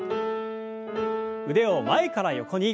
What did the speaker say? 腕を前から横に。